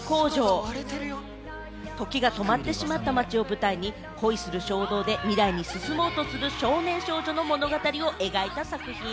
映画は、ときが止まってしまった街を舞台に恋する衝動で未来に進もうとする少年・少女の物語を描いた作品。